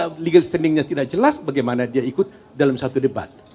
karena legal standingnya tidak jelas bagaimana dia ikut dalam satu debat